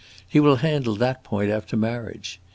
He will handle that point after marriage.